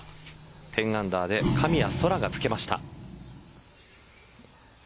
１０アンダーで神谷そらがつけました。